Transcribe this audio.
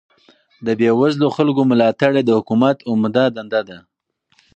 د بې وزلو خلکو ملاتړ يې د حکومت عمده دنده ګڼله.